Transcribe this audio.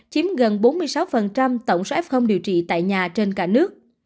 chiếm gần bốn mươi sáu tổng số f điều trị tại nhà trên cả nước